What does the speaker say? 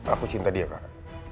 aku cinta dia kakak